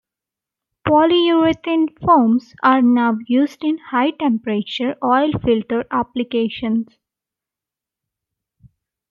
Polyurethane foams are now used in high-temperature oil filter applications.